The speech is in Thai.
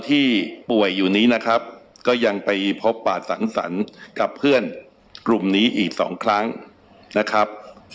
ที่ป่วยอยู่นี้นะครับก็ยังไปพบปาดสังสรรค์กับเพื่อนกลุ่มนี้อีกสองครั้งนะครับ